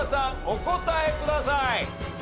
お答えください。